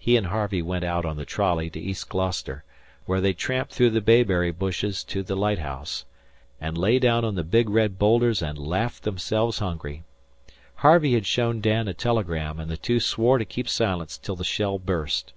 He and Harvey went out on the trolley to East Gloucester, where they tramped through the bayberry bushes to the lighthouse, and lay down on the big red boulders and laughed themselves hungry. Harvey had shown Dan a telegram, and the two swore to keep silence till the shell burst.